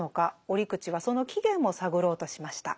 折口はその起源も探ろうとしました。